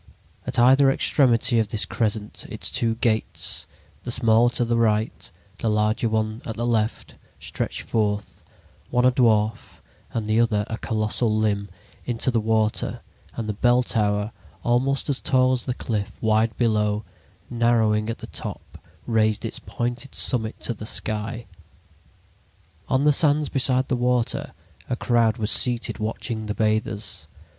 At either extremity of this crescent its two "gates," the smaller to the right, the larger one at the left, stretched forth—one a dwarf and the other a colossal limb—into the water, and the bell tower, almost as tall as the cliff, wide below, narrowing at the top, raised its pointed summit to the sky. On the sands beside the water a crowd was seated watching the bathers.